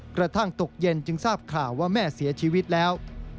กระทั่งตกเย็นจึงทราบข่าวว่าแม่เสียชีวิตแล้ว